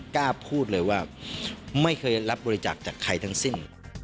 กล้าพูดเลยว่าไม่เคยรับบริจาคจากใครทั้งสิ้น